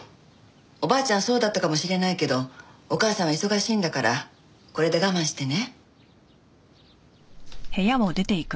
おばあちゃんはそうだったかもしれないけどお母さんは忙しいんだからこれで我慢してね。